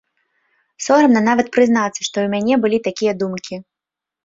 Сорамна нават прызнацца, што ў мяне былі такія думкі.